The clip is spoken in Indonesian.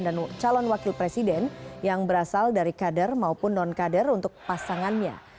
dan calon wakil presiden yang berasal dari kader maupun non kader untuk pasangannya